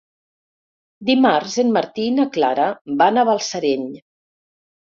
Dimarts en Martí i na Clara van a Balsareny.